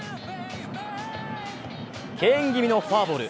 敬遠気味のフォアボール。